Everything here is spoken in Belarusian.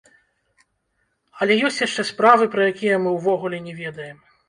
Але ёсць яшчэ справы, пра якія мы ўвогуле не ведаем.